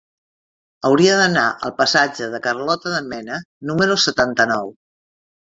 Hauria d'anar al passatge de Carlota de Mena número setanta-nou.